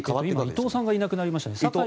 今、伊東さんがいなくなりましたね。